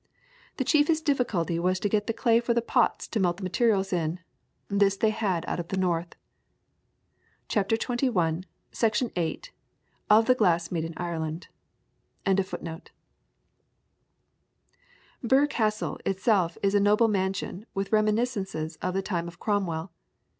The chiefest difficulty was to get the clay for the pots to melt the materials in; this they had out of the north." Chap. XXI., Sect. VIII. "Of the Glass made in Ireland." Birr Castle itself is a noble mansion with reminiscences from the time of Cromwell.